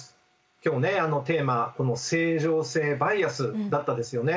今日ねテーマ「正常性バイアス」だったですよね。